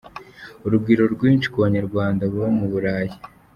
Urugwiro rwinshi ku Banyarwanda baba mu Burayi.